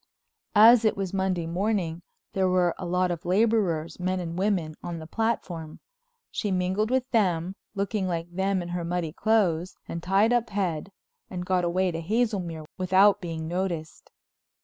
As it was Monday morning there were a lot of laborers, men and women, on the platform. She mingled with them, looking like them in her muddy clothes and tied up head, and got away to Hazelmere without being noticed.